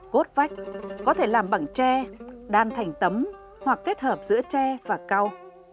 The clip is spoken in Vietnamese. cốt vách có thể làm bằng tre đan thành tấm hoặc kết hợp giữa tre và cao